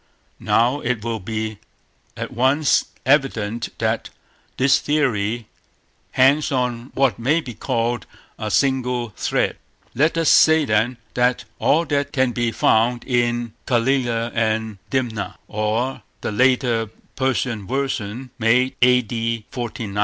Now it will be at once evident that this theory hangs on what may be called a single thread. Let us say, then, that all that can be found in Calila and Dimna, or the later Persian version, made A.D.